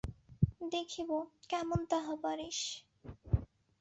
দেখিব কেমন তাহা পারিস।